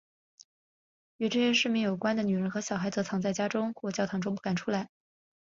与这些市民有关系的女人和小孩则藏在家中或教堂中不敢出来。